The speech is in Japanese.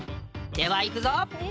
ではいくぞ！